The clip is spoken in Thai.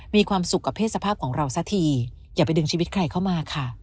มีความสุขกับเพศสภาพของเราสักทีอย่าไปดึงชีวิตใครเข้ามาค่ะ